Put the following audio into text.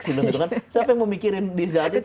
siapa yang memikirkan di segalanya itu